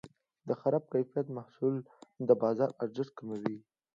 د خراب کیفیت محصول د بازار ارزښت کموي.